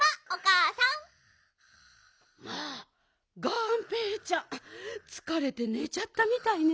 まあがんぺーちゃんつかれてねちゃったみたいね。